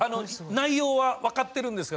内容は分かってるんですか？